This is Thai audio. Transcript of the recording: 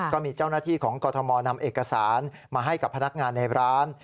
ก็มีเจ้าหน้าที่ของกรทมนำเอกสารมาให้กับพนักงานในร้าน